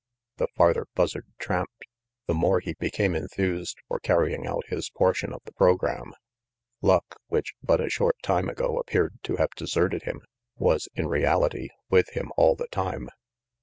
The farther Buzzard tramped, the more he became enthused for carrying out his portion of the program. Luck, which but a short time ago appeared to have deserted him, was, in reality, with him all the time.